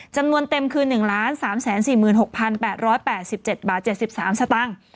จำนวนเต็มคือ๑๓๔๖๘๘๗บาท๗๓สตางค์